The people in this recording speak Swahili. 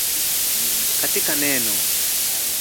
katika neno